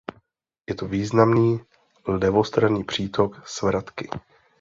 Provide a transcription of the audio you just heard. Je to významný levostranný přítok Svratky.